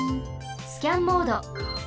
スキャンモード。